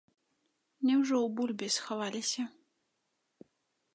Няўжо ў бульбе схаваліся?